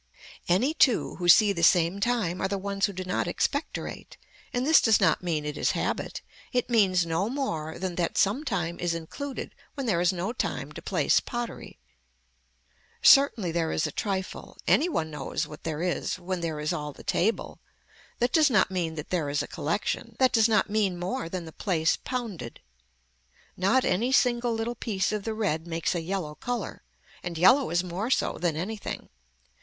Any two who see the same time are the ones who do not expectorate and this does not mean it is habit, it means no more than that sometime is included when there is no time to place pottery. Certainly there is a trifle, any one knows what there is when there is all the table, that does not mean that there is a collection, that does not mean more than the place pounded. Not any single little piece of the red makes a yellow color, and yellow is more so than anything.